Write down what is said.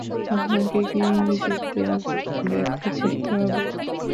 আপনাকে কী ইংরেজিতে ব্যাখ্যা করতে হবে?